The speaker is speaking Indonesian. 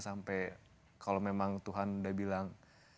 sampai kalau memang tuhan udah bilang